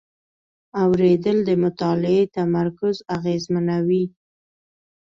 اورېدل د مطالعې تمرکز اغېزمنوي.